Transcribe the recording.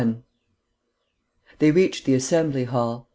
21 They reached the Assembly Hall.